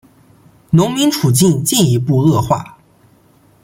农民处境进一步恶化。